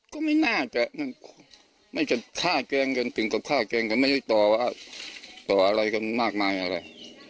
ก็ไม่น่าจะฆ่าแกล้งกันถึงกับฆ่าแกล้งกันไม่ได้ต่อว่าต่ออะไรกันมากมายอะไร